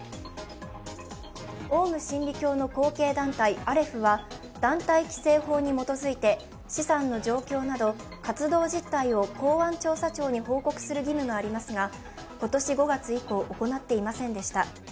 オウム真理教の後継団体、アレフは団体規制法に基づいて資産の状況など活動実態を公安調査庁に報告する義務がありますが今年５月以降、行っていませんでした。